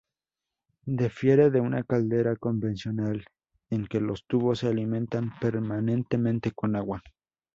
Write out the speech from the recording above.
Difiere de una caldera convencional en que los tubos se alimentan permanentemente con agua.